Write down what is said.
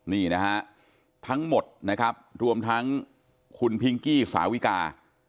นี่นะฮะทั้งหมดนะครับรวมทั้งคุณพิงกี้สาวิกา